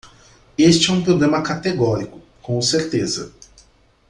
Este é um problema categórico, com certeza.